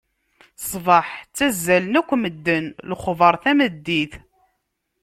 Sebeḥ ttazalen akk medden, lexbaṛ tameddit.